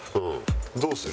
どうする？